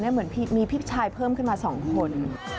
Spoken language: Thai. เหมือนมีพี่ชายเพิ่มขึ้นมา๒คน